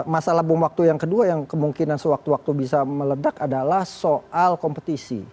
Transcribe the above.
masalah bom waktu yang kedua yang kemungkinan sewaktu waktu bisa meledak adalah soal kompetisi